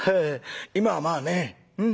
今はまあね